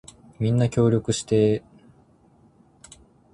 みんな協力してー